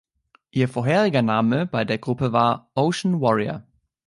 Ihr vorheriger Name bei der Gruppe war „Ocean Warrior“.